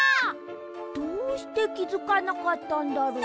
どうしてきづかなかったんだろう。